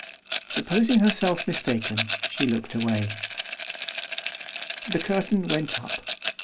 Supposing herself mistaken, she looked away. The curtain went up.